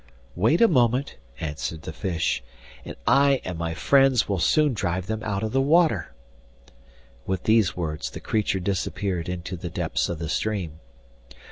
'Wait a moment,' answered the fish, 'and I and my friends will soon drive them out of the water.' With these words the creature disappeared into the depths of the stream.